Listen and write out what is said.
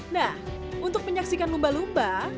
nah untuk menyaksikan lumba lumba